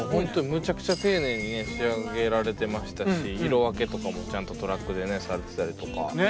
むちゃくちゃ丁寧にね仕上げられてましたし色分けとかもちゃんとトラックでねされてたりとか。ね！